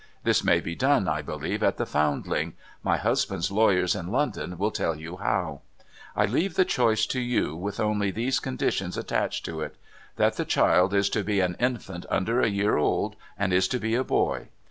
This may be done, I believe, at the Foundling : my husband's lawyers in London will tell you how. I leave the choice to you, with only these conditions attached to it — that the child is to be an infant under a year old, and is to be a boy.